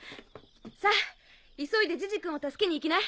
さぁ急いでジジくんを助けに行きな。